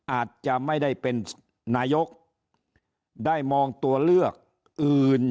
อาจจะไม่ได้เป็นนายกได้มองตัวเลือกอื่น